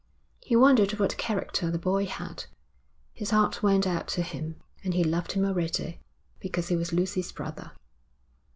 He wondered what character the boy had. His heart went out to him, and he loved him already because he was Lucy's brother.